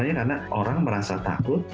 ini kan salahnya karena orang merasa takut